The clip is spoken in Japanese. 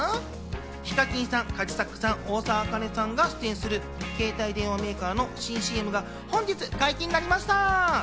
ＨＩＫＡＫＩＮさん、カジサックさん、大沢あかねさんが出演する携帯電話メーカーの新ＣＭが本日、解禁になりました。